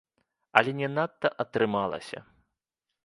Але не надта атрымалася.